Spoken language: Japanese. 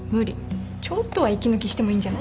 ちょっとは息抜きしてもいいんじゃない？